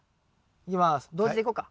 同時でいこうか？